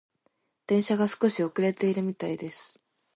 電車が少し遅れているみたいです。